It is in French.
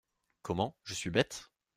Comment, je suis bête ?